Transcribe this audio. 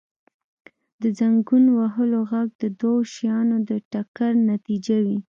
• د زنګون وهلو ږغ د دوو شیانو د ټکر نتیجه وي.